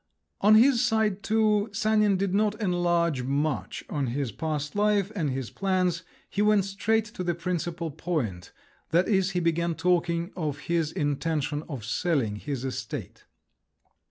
On his side too, Sanin did not enlarge much on his past life and his plans; he went straight to the principal point—that is, he began talking of his intention of selling his estate.